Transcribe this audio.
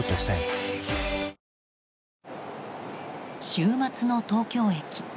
週末の東京駅。